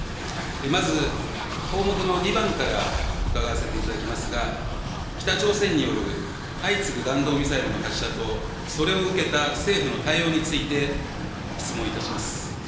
まず、項目の２番から伺わせていただきますが、北朝鮮による相次ぐ弾道ミサイルの発射と、それを受けた政府の対応について質問いたします。